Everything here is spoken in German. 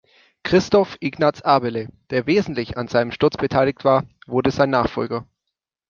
Christoph Ignaz Abele, der wesentlich an seinem Sturz beteiligt war, wurde sein Nachfolger.